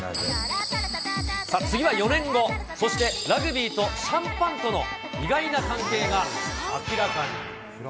次は４年後、そしてラグビーとシャンパンとの意外な関係が明らかに。